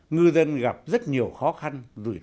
ngư dân gặp rất nhiều khó khăn